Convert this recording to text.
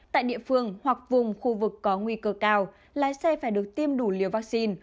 tại địa phương hoặc vùng khu vực có nguy cơ cao lái xe phải được tiêm đủ liều vaccine